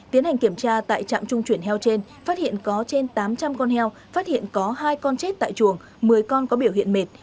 tiến hành kiểm tra tại trạm trung chuyển heo trên phát hiện có trên tám trăm linh con heo phát hiện có hai con chết tại chuồng một mươi con có biểu hiện mệt